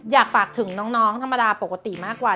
อยากฝากถึงน้องธรรมดาปกติมากกว่า